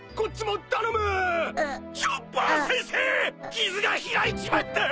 傷が開いちまったぁ！